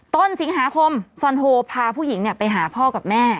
ต้นสิงหาคมซอนโฮพาผู้หญิงไปหาพ่อกับแม่